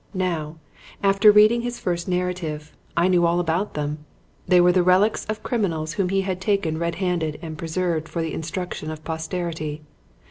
Now, after reading his first narrative, I knew all about them. They were the relics of criminals whom he had taken red handed and preserved for the instruction of posterity.